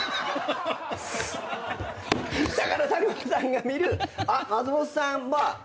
だから佐久間さんが見る松本さん。